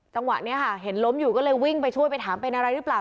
จังหวะนี้ค่ะเห็นล้มอยู่ก็เลยวิ่งไปช่วยไปถามเป็นอะไรหรือเปล่า